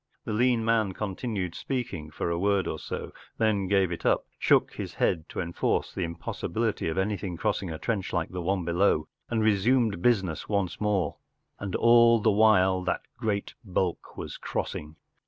The lean man continued speaking for a word or so, then gave it tip, shook his head to enforce the impossibility of anything crossing a trench like the one below, and resumed business once more* And all the while that great bulk was cross i n g.